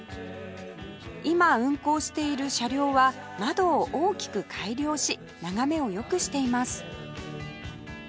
今運行している車両は窓を大きく改良し眺めを良くしています